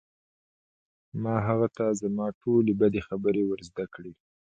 ما هغه ته زما ټولې بدې خبرې ور زده کړې